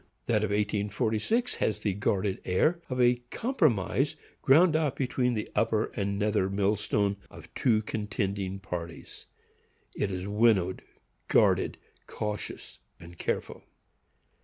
That of 1846 has the guarded air of a compromise ground out between the upper and nether millstone of two contending parties,—it is winnowed, guarded, cautious and careful.